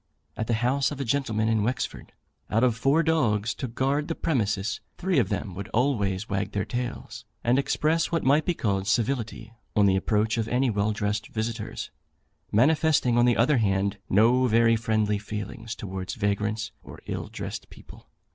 At the house of a gentleman in Wexford, out of four dogs kept to guard the premises, three of them would always wag their tails, and express what might be called civility, on the approach of any well dressed visitors; manifesting, on the other hand, no very friendly feelings towards vagrants or ill dressed people.